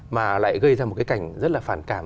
mà lại gây ra một cái cảnh rất là phản cảm